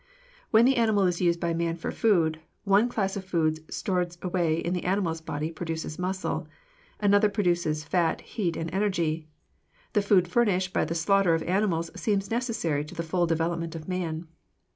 When the animal is used by man for food, one class of foods stored away in the animal's body produces muscle; another produces fat, heat, and energy. The food furnished by the slaughter of animals seems necessary to the full development of man.